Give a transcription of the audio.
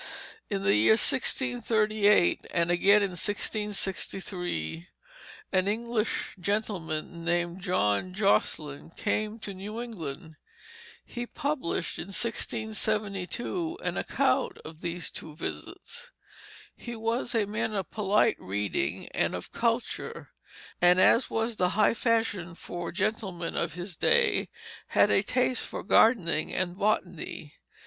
In the year 1638, and again in 1663, an English gentleman named John Josselyn came to New England. He published, in 1672, an account of these two visits. He was a man of polite reading and of culture, and as was the high fashion for gentlemen of his day, had a taste for gardening and botany.